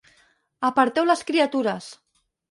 Aparteu les criatures!